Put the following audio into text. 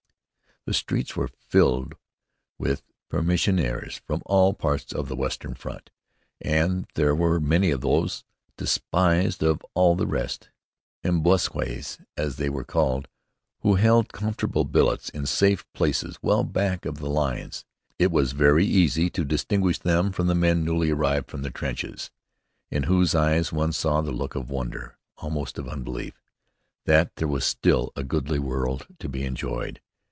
The streets were filled with permissionnaires from all parts of the Western front, and there were many of those despised of all the rest, the embusqués, as they are called, who hold the comfortable billets in safe places well back of the lines. It was very easy to distinguish them from the men newly arrived from the trenches, in whose eyes one saw the look of wonder, almost of unbelief, that there was still a goodly world to be enjoyed.